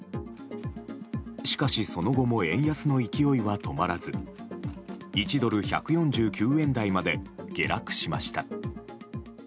しかし、その後も円安の勢いは止まらず１ドル＝１４９円台まで下落しました。